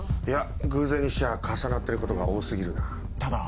いや偶然にしちゃ重なってることが多過ぎるな。